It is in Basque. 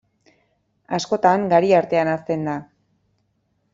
Askotan gari artean hazten da.